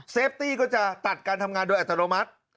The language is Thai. ตี้ก็จะตัดการทำงานโดยอัตโนมัติ